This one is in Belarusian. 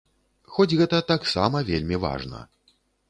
Хоць гэта таксама вельмі важна.